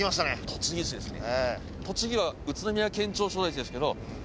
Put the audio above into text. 栃木市ですね。